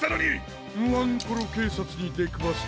ワンコロけいさつにでくわすとは。